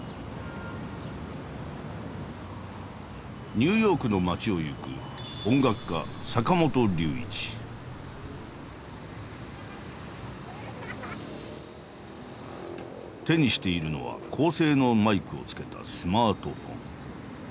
ニューヨークの街を行く手にしているのは高性能マイクをつけたスマートフォン。